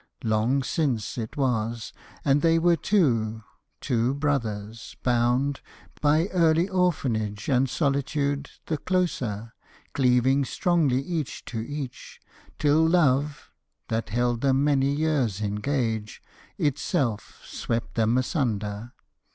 Long since It was, and they were two two brothers, bound By early orphanage and solitude The closer, cleaving strongly each to each, Till love, that held them many years in gage, Itself swept them asunder.